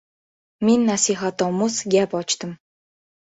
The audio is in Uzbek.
Men nasihatomuz gap ochdim.